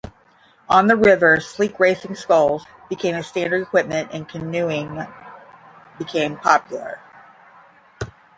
On the river, sleek racing sculls became standard equipment, and canoeing became popular.